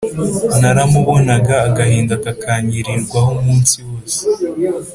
naramubonaga agahinda kakanyirirwaho umunsi wose.